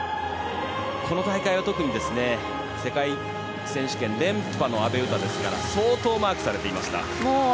この大会は特に世界選手権連覇の阿部詩ですから相当マークされていました。